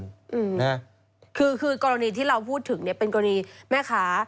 คือกรณีที่เราพูดถึงเป็นกรณีแม่ค้า